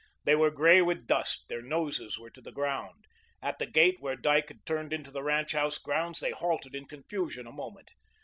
They were grey with dust, their noses were to the ground. At the gate where Dyke had turned into the ranch house grounds, they halted in confusion a moment.